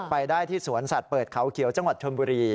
ไปได้ที่สวนสัตว์เปิดเขาเขียวจังหวัดชนบุรี